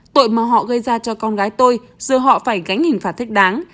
tội mà họ gây ra cho con gái tôi giờ họ phải gánh hình phạt thích đáng